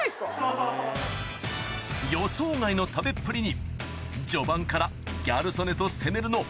予想外の食べっぷりに序盤からギャル曽根とせめる。